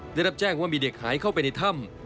ได้รับแจ้งว่ามีเด็กหายเข้าไปในถ้ำ